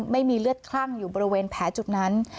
ไม่มีเลือดคลั่งอยู่บริเวณแผลจุดนั้น